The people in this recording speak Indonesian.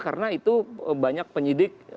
karena itu banyak penyidik